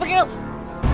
pergi pergi lu